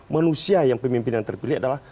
manusia yang pemimpin yang terpilih